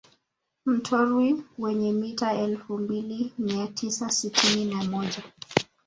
Mtorwi wenye mita elfu mbili mia tisa sitini na moja